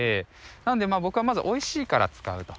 なので僕はまず美味しいから使うと。